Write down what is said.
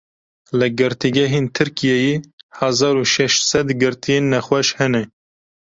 Li girtîgehên Tirkiyeyê hezar û şeş sed girtiyên nexweş hene.